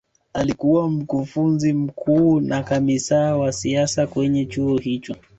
alikuwa mkufunzi mkuu na kamisaa wa siasa kwenye chuo hicho